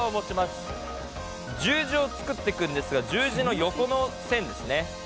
十字を作っていくんですが十字の横の線ですね。